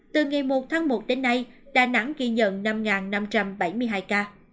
từ ngày một tháng một đến nay đà nẵng ghi nhận năm năm trăm bảy mươi hai ca